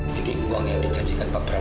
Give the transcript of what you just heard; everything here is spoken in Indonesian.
saya enggak menghukum pak